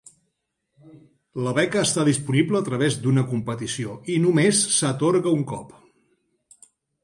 La beca està disponible a través d'una competició i només s'atorga un cop.